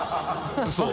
そう。